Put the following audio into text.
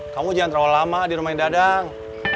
kamu jangan terlalu lama di rumah dadang